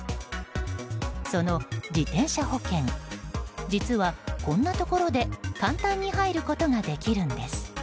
その自転車保険実はこんなところで簡単に入ることができるんです。